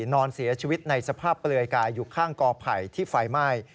นอนเสียชีวิตในสภาพเปลือยกายอยู่ข้างกอไผ่ที่ไฟไหม้